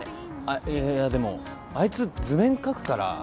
あっいやいやでもあいつ図面書くから。